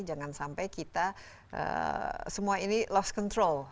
jangan sampai kita semua ini lost control